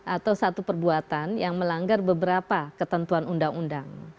atau satu perbuatan yang melanggar beberapa ketentuan undang undang